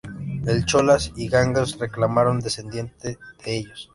El Cholas y Gangas reclamaron descendiente de ellos.